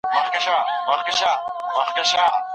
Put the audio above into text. خپل ذهن په نېکو فکرونو سره مدام مصروف او تازه وساتئ.